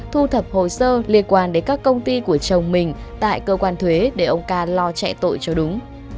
thu thập hồ sơ liên quan đến các công ty của chồng mình tại cơ quan thuế để ông ca lo chạy tội cho đúng